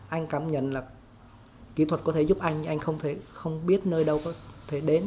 anh cảm nhận là kỹ thuật có thể giúp anh nhưng anh không biết nơi đâu có thể đến